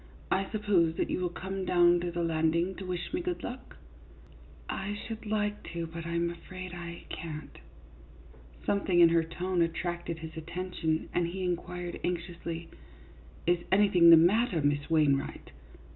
" I suppose that you will come down to the landing to wish me good luck? "" I should like to, but I 'm afraid I can't." Something in her tone attracted his attention, and he inquired, anxiously, " Is anything the matter, Miss Wainwright